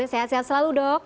sehat sehat selalu dok